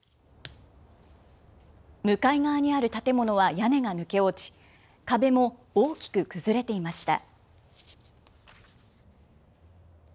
向かい側にある建物は屋根が抜け落ち、壁も大きく崩れていました。